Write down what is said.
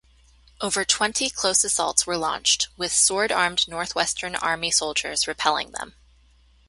Over twenty close assaults were launched, with sword-armed Northwestern Army soldiers repelling them.